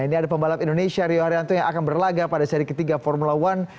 ini ada pembalap indonesia rio haryanto yang akan berlagak pada seri ketiga formula one